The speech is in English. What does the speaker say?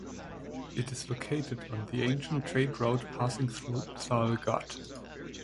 It is located on the ancient trade route passing through Thal ghat.